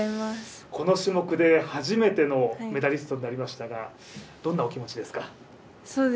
この種目で初めてのメダリストになりましたがどんなお気持ちですか。